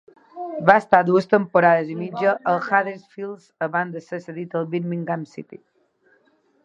Va estar dues temporades i mitja al Huddersfield abans de ser cedit al Birmingham City.